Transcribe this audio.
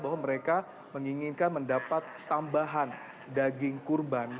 bahwa mereka menginginkan mendapat tambahan daging kurban